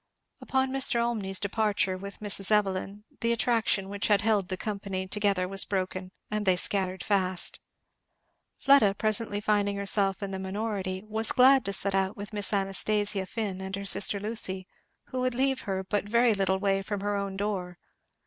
Upon Mr. Olmney's departure with Mrs. Evelyn the attraction which had held the company together was broken, and they scattered fast. Fleda presently finding herself in the minority was glad to set out with Miss Anastasia Finn and her sister Lucy, who would leave her but very little way from her own door.